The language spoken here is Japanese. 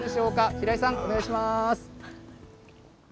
平井さん、お願いします。